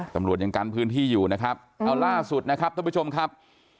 ตำรวจยังกันพื้นที่อยู่นะครับเอาล่าสุดนะครับท่านผู้ชมครับ